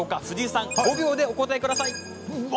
藤井さん、５秒でお答えください。